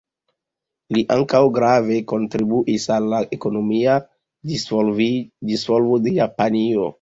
Li ankaŭ grave kontribuis al la ekonomika disvolvo de Japanio.